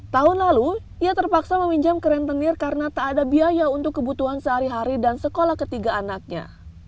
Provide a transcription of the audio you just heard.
tahun lalu ia terpaksa meminjam ke rentenir karena tak ada biaya untuk kebutuhan sehari hari dan sekolah ketiga anaknya